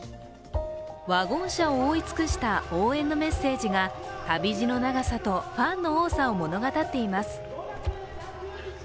ワゴン車を覆い尽くした応援のメッセージが旅路の長さとファンの多さを物語っています。